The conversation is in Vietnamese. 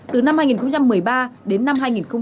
từ năm hai nghìn một mươi ba đến năm hai nghìn một mươi tám